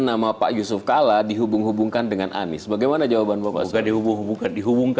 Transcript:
nama pak yusuf kala dihubung hubungkan dengan anies bagaimana jawaban bapak sudah dihubung hubungkan